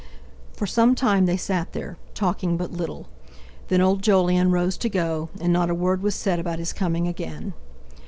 For some time they sat there, talking but little. Then old Jolyon rose to go, and not a word was said about his coming again.